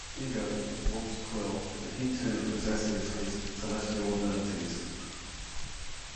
Ego informs Quill that he too possesses his Celestial abilities.